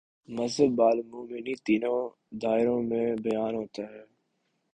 مذہب بالعموم انہی تینوں دائروں میں بیان ہوتا ہے۔